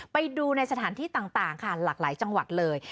ไปดูในสถานที่ต่างค่ะหลากหลายจังหวัดเลย